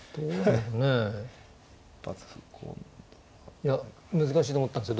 いや難しいと思ったんですよ